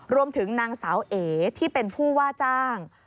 รวมถึงนางสาวเอที่เป็นผู้ว่าจ้าง